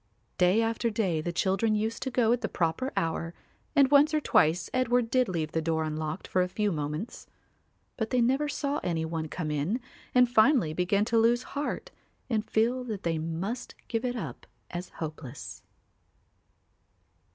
Day after day the children used to go at the proper hour and once or twice Edward did leave the door unlocked for a few moments; but they never saw any one come in and finally began to lose heart and feel that they must give it up as hopeless.